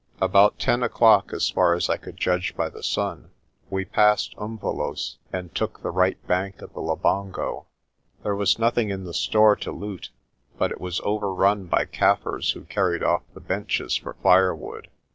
About ten o'clock, as far as I could judge by the sun, we Boer elephant guns. 150 PRESTER JOHN passed Umvelos', and took the right bank of the Labongo. There was nothing in the store to loot, but it was overrun by Kaffirs, who carried off the benches for firewood.